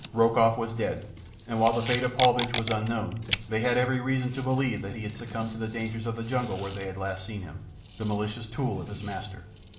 Rokoff was dead, and while the fate of Paulvitch was unknown, they had every reason to believe that he had succumbed to the dangers of the jungle where last they had seen him—the malicious tool of his master.